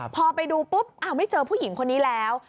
พอไปดูปุ๊บไม่เจอผู้หญิงคนนี้แล้ว